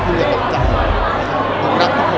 เพื่อออกจากคุณครับผมรักทุกคนครับ